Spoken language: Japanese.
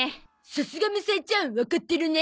さすがむさえちゃんわかってるね。